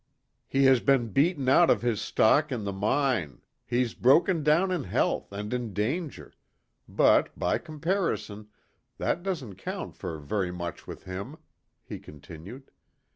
"He has been beaten out of his stock in the mine; he's broken down in health and in danger; but, by comparison, that doesn't count for very much with him," he continued.